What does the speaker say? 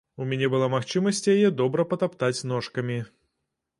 У мяне была магчымасць яе добра патаптаць ножкамі.